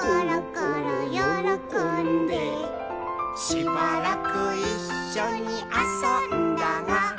「しばらくいっしょにあそんだが」